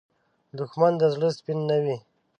دښمن د زړه سپین نه وي